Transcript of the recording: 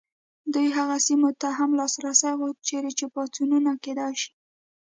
دوی هغو سیمو ته هم لاسرسی غوښت چیرې چې پاڅونونه کېدای شي.